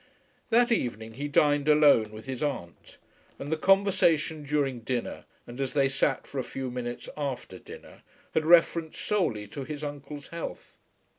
That evening he dined alone with his aunt, and the conversation during dinner and as they sat for a few minutes after dinner had reference solely to his uncle's health.